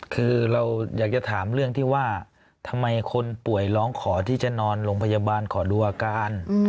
คือเราอยากจะถามเรื่องที่ว่าทำไมคนป่วยร้องขอที่จะนอนโรงพยาบาลขอดูอาการ